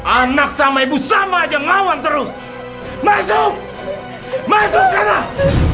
anak sama ibu sama aja ngawan terus masuk masuk sekarang